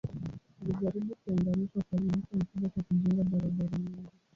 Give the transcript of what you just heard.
Alijaribu kuunganisha ufalme wake mkubwa kwa kujenga barabara nyingi.